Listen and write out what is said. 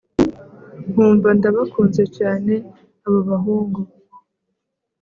nkumva ndabakunze cyane abo bahungu